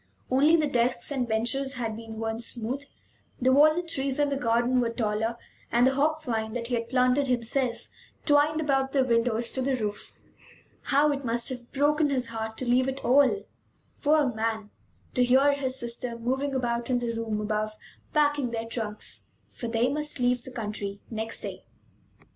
Only the desks and benches had been worn smooth; the walnut trees in the garden were taller, and the hop vine, that he had planted himself twined about the windows to the roof. How it must have broken his heart to leave it all, poor man; to hear his sister moving about in the room above, packing their trunks! For they must leave the country next day.